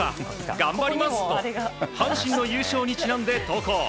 頑張りますと阪神の優勝にちなんで投稿。